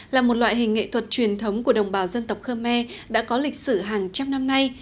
là một loại hình nghệ thuật truyền thống của đồng bào dân tộc khơ me đã có lịch sử hàng trăm năm nay